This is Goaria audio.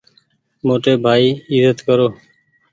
موٽي ڀآئي ايزت ڪرو۔